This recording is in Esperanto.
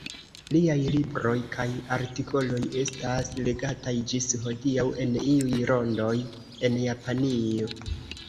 Liaj libroj kaj artikoloj estas legataj ĝis hodiaŭ en iuj rondoj en Japanio.